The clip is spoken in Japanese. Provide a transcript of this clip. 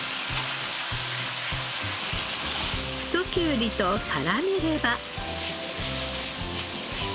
太きゅうりと絡めれば。